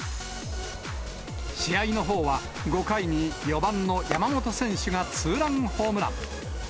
試合のほうは、５回に４番の山本選手がツーランホームラン。